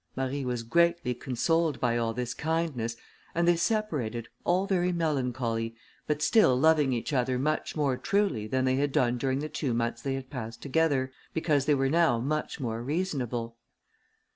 Marie was greatly consoled by all this kindness, and they separated, all very melancholy, but still loving each other much more truly than they had done during the two months they had passed together, because they were now much more reasonable.